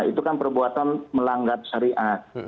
itu kan perbuatan melanggar syariat